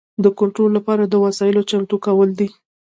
د کنټرول لپاره د وسایلو چمتو کول دي.